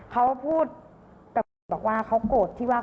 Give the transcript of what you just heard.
เขาพูดบอกว่าเขากลดที่ว่า